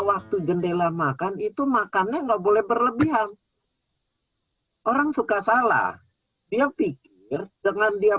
waktu jendela makan itu makannya nggak boleh berlebihan orang suka salah dia pikir dengan dia